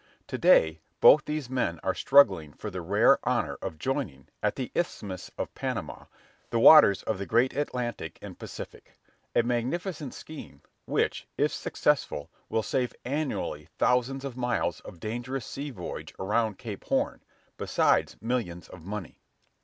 To day both these men are struggling for the rare honor of joining, at the Isthmus of Panama, the waters of the great Atlantic and Pacific; a magnificent scheme, which, if successful, will save annually thousands of miles of dangerous sea voyage around Cape Horn, besides millions of money.